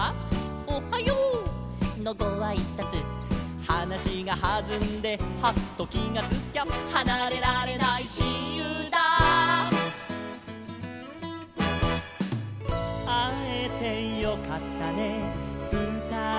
「おはよう！のごあいさつ」「はなしがはずんでハッときがつきゃ」「はなれられないしんゆうだ」「あえてよかったねうたいましょう」